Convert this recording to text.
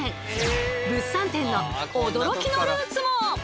物産展の驚きのルーツも！